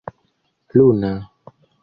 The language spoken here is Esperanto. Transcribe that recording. luna